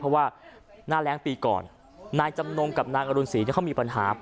เพราะว่าหน้าแรงปีก่อนนายจำนงกับนางอรุณศรีเขามีปัญหา